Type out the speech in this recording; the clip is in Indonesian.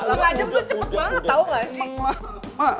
lelet itu cepat banget tau gak sih